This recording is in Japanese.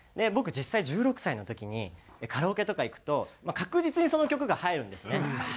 僕実際１６歳の時にカラオケとか行くと確実にその曲が入るんですね。